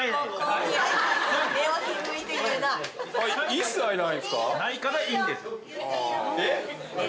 一切ないんですか？